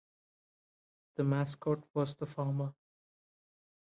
The mascot was the Farmer.